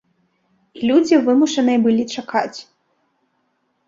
І людзі вымушаныя былі чакаць.